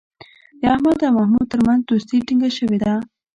د احمد او محمود ترمنځ دوستي ټینگه شوې ده.